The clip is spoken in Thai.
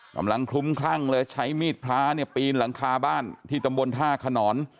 คลุ้มคลั่งเลยใช้มีดพระเนี่ยปีนหลังคาบ้านที่ตำบลท่าขนอน